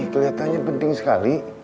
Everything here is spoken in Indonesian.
keliatannya penting sekali